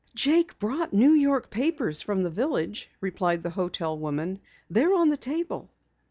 "Jake brought New York papers from the village," replied the hotel woman. "They are on the table."